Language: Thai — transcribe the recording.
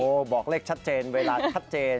บอกเลขชัดเจนเวลาชัดเจน